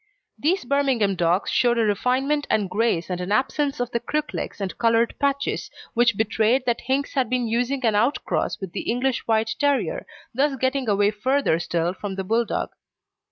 These Birmingham dogs showed a refinement and grace and an absence of the crook legs and coloured patches which betrayed that Hinks had been using an out cross with the English White Terrier, thus getting away further still from the Bulldog.